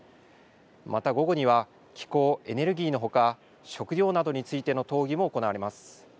また午後には気候・エネルギーのほか、食料などについての討議も行われます。